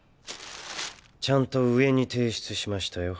ちゃんと上に提出しましたよ。